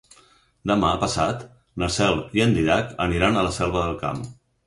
Demà passat na Cel i en Dídac aniran a la Selva del Camp.